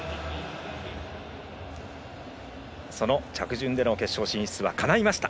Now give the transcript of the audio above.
その着順での決勝進出はかないました。